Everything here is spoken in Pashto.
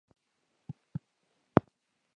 د خځې لوري ليکل شوي څېړنې لټوم